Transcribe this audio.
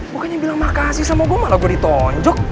bukannya bilang makasih sama gue malah gue ditonjok